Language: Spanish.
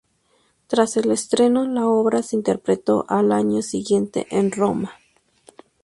Tras el estreno, la obra se interpretó al año siguiente en Roma.